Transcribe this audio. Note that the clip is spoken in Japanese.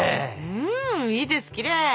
うんいいですきれい！